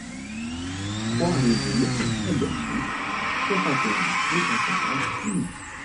trois rue du Lieutenant Albert Schmitt, soixante et onze, deux cent cinquante, Cluny